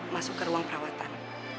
masuk ke ruang perawatan